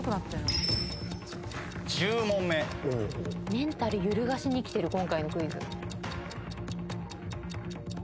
メンタル揺るがしにきてる今回のクイズ。